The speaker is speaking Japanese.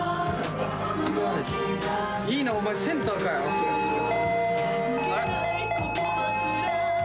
いいなお前センターかよ。